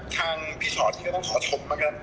ทางพี่ชอตก็ต้องขอชมมากัน